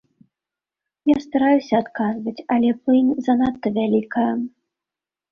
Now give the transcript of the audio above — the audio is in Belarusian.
Я стараюся адказваць, але плынь занадта вялікая.